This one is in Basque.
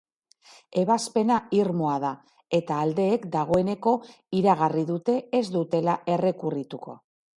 Ebazpena irmoa da, eta aldeek dagoeneko iragarri dute ez dutela errekurrituko.